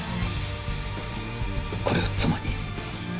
これを妻に